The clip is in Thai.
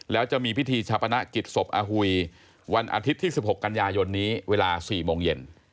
แล้วจะมีพิธีชาปนกิจศพอาหุยวันอาทิตย์ที่๑๖กันยายนนี้เวลา๔โมงเย็น